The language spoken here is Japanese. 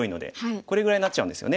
これぐらいになっちゃうんですよね。